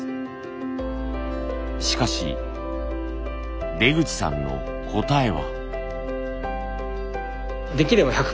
しかし出口さんの答えは。